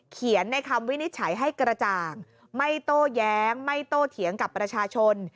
เขียนในคำวินิจฉัยให้กระจ่างไม่โต้แย้งไม่โตเถียงกับประชาชน